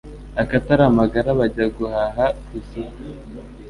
Akatari amagara Bajya guhaha kw'isiko.